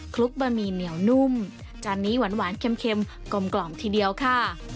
ลุกบะหมี่เหนียวนุ่มจานนี้หวานเค็มกลมทีเดียวค่ะ